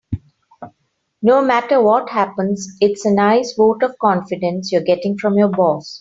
No matter what happens, it's a nice vote of confidence you're getting from your boss.